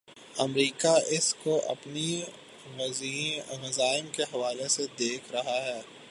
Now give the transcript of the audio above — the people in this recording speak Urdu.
امریکہ اس کو اپنے عزائم کے حوالے سے دیکھ رہا ہے۔